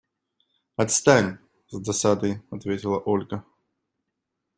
Отстань! – с досадой ответила Ольга.